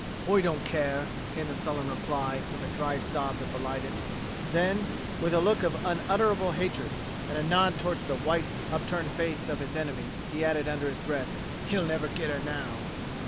"Oi don't care," came the sullen reply, with a dry sob that belied it. Then, with a look of unutterable hatred, and a nod towards the white, upturned face of his enemy, he added under his breath, "He'll niver git her now."